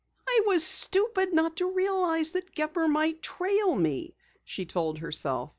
"I was stupid not to realize that Gepper might trail me," she told herself.